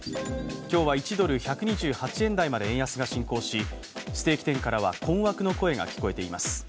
今日は１ドル＝１２８円台まで円安が進行し、ステーキ店からは困惑の声が聞こえています。